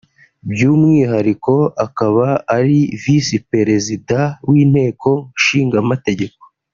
by’umwihariko akaba ari Visi Perezida w’Inteko Nshingamategeko